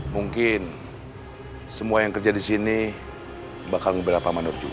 mungkin semua yang kerja di sini bakal beberapa mandor juga